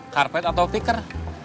karpet atau tikar